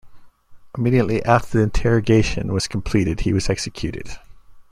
Immediately after the interrogation was completed he was executed.